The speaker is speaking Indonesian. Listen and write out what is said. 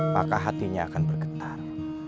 maka hatinya akan bergetar